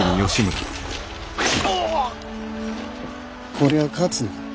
こりゃ勝つな。